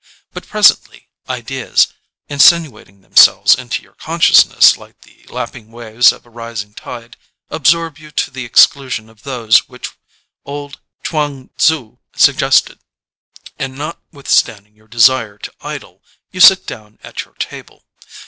But presently ideas, insinuating them selves into your consciousness like the lapping waves of a rising tide, absorb you to the ex clusion of those which old Chuang Tzu sug gested, and notwithstanding your desire to idle, you sit down at your table.